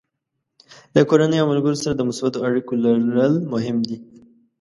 له کورنۍ او ملګرو سره د مثبتو اړیکو لرل مهم دي.